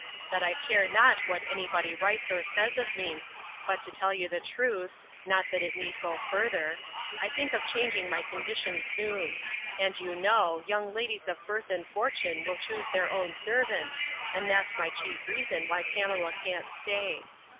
that I care not what any body writes or says of me: But to tell you the truth, (not that it need go further,) I think of changing my condition soon; and, you know, young ladies of birth and fortune will choose their own servants, and that's my chief reason why Pamela can't stay.